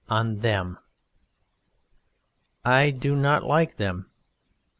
ON THEM I do not like Them.